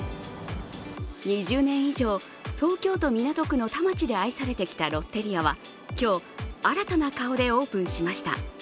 ２０年以上、東京都・港区の田町で愛されてきたロッテリアは今日、新たな顔でオープンしました。